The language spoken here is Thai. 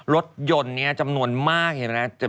รถยนต์นี้จำนวนมากเห็นไหม